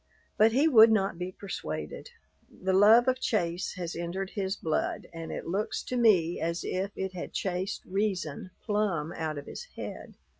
But he would not be persuaded. The love of chase has entered his blood, and it looks to me as if it had chased reason plumb out of his head.